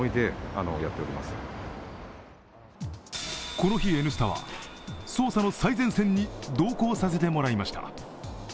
この日「Ｎスタ」は捜査の最前線に同行させてもらいました。